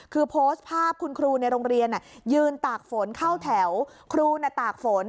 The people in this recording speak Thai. คือโพสต์ภาพคุณครูในโรงเรียนยืนตากฝนเข้าแถวครูตากฝน